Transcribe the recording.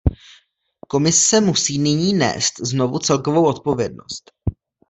Komise musí nyní nést znovu celkovou odpovědnost.